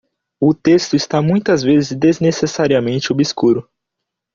O texto é muitas vezes desnecessariamente obscuro.